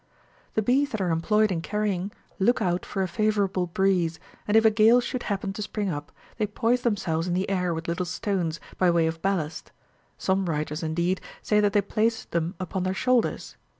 The bees that are employed in carrying look out for a favour able breeze, and if a gale should happen to spring up, they poise themselves in the air with little stones, by way of bal last ; some writers, indeed, say that they place them upon their shoulders.